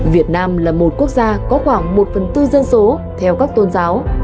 việt nam là một quốc gia có khoảng một phần tư dân số theo các tôn giáo